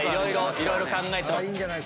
いろいろ考えてます。